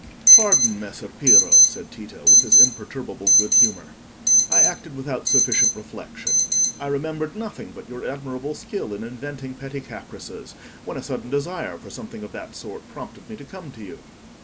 "Pardon, Messer Piero," said Tito, with his imperturbable good humour; "I acted without sufficient reflection. I remembered nothing but your admirable skill in inventing pretty caprices, when a sudden desire for something of that sort prompted me to come to you."